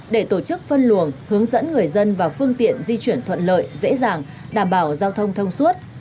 để tổ chức phân luồng hướng dẫn người dân và phương tiện di chuyển thuận lợi dễ dàng đảm bảo giao thông thông suốt